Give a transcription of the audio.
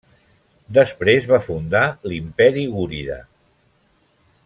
Després va fundar l'Imperi gúrida.